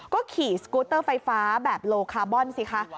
ก็ขี่สกูเตอร์ไฟฟ้าแบบโลคาร์บอนสิคะ